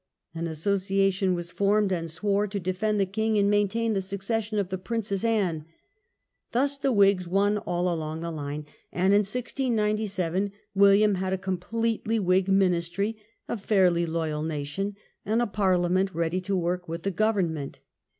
An association was formed, and swore to defend no PEACE OF RYSWICK. the king and maintain the succession of the Princess Anne. Thus the Whigs won all along the line, and in 1697 William had a completely Whig ministry, a fairly loyal nation, and a Parliament ready to work with the government.